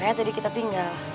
oh ya tadi kita tinggal